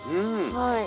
はい。